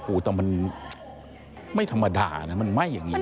โอ้โหแต่มันไม่ธรรมดานะมันไหม้อย่างนี้